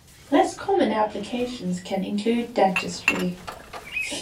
Less common applications can include dentistry.